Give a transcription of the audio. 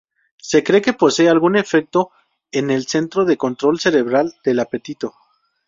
Se cree que posee algún efecto en el centro de control cerebral del apetito.